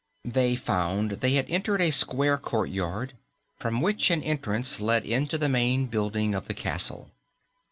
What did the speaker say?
They found they had entered a square courtyard, from which an entrance led into the main building of the castle.